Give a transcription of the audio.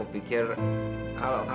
untuk kep anniversary